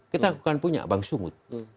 kita bukan punya bang sungut